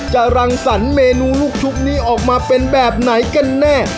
รังสรรคเมนูลูกชุบนี้ออกมาเป็นแบบไหนกันแน่